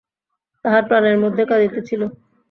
তাহার প্রাণের মধ্যে কাঁদিতেছিল।